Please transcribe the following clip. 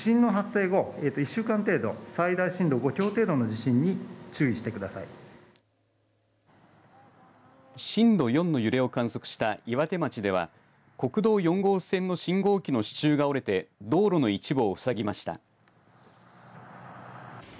震度４の揺れを観測した岩手町では国道４号線の信号機の支柱が折れて道路の一部をふさぎました。